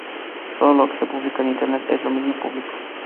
Todo lo que se publica en Internet es de dominio público.